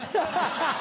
ハハハ！